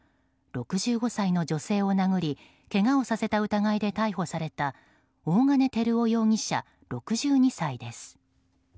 ６５歳の女性を殴りけがをさせた疑いで逮捕された大金照男容疑者、６２歳です。